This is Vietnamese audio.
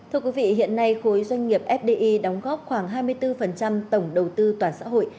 thưa quý vị hiện nay khối doanh nghiệp fdi đóng góp khoảng hai mươi bốn tổng đầu tư toàn xã hội